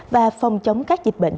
và phòng chống các dịch bệnh